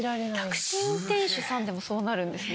タクシー運転手さんでもそうなるんですね。